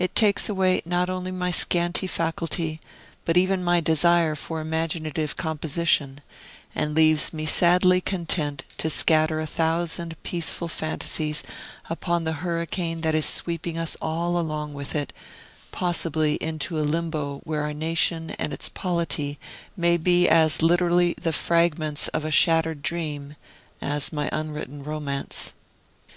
It takes away not only my scanty faculty, but even my desire for imaginative composition, and leaves me sadly content to scatter a thousand peaceful fantasies upon the hurricane that is sweeping us all along with it, possibly, into a Limbo where our nation and its polity may be as literally the fragments of a shattered dream as my unwritten Romance.